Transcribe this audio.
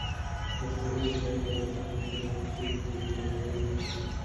ایا ته پوهېږې چې په افغانستان کې څومره خصوصي ښوونځي فعالیت کوي؟